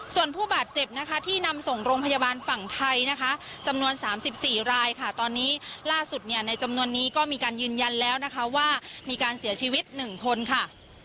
ส่วนผู้บาดเจ็บนะคะที่นำส่งโรงพยาบาลฝั่งไทยนะคะจำนวน๓๔รายค่ะตอนนี้ล่าสุดเนี่ยในจำนวนนี้ก็มีการยืนยันแล้วนะคะว่ามีการเสียชีวิต๑คนค่ะ